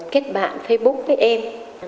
kết bạn facebook với em